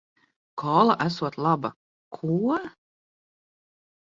Kola esot laba. Ko???